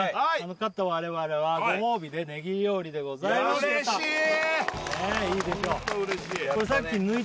勝った我々はご褒美でネギ料理でございます嬉しい！